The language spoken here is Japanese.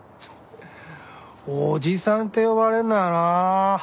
おじさんって呼ばれるのはなあ。